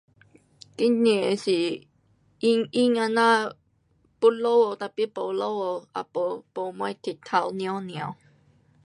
今天是阴阴这样要下雨 tapi 没下雨，也没，没什太阳，凉凉。